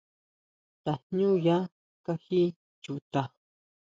Tajñuña kají chuta.